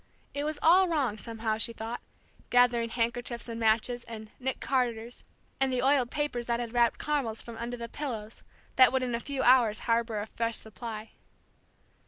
It was all wrong, somehow, she thought, gathering handkerchiefs and matches and "Nick Carters" and the oiled paper that had wrapped caramels from under the pillows that would in a few hours harbor a fresh supply.